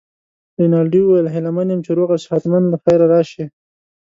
رینالډي وویل: هیله من یم چي روغ او صحت مند له خیره راشې.